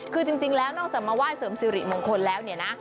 คือจริงแล้วนอกจากมาไหว้เสริมสิริมงคลแล้วเนี่ยนะ